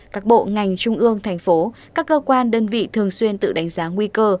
các bộ ngành trung ương thành phố các cơ quan đơn vị thường xuyên tự đánh giá nguy cơ